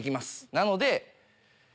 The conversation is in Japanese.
なので。